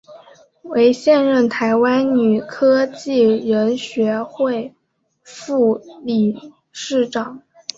为现任台湾女科技人学会副理事长。